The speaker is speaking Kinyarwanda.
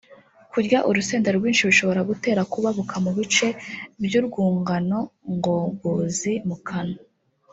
Kurya urusenda rwinshi bishobora gutera kubabuka mu bice by’urwungano ngogozi (mu kanwa